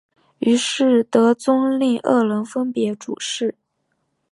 于是德宗令二人分别主事。